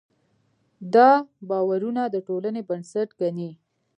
دا باورونه د ټولنې بنسټ ګڼي.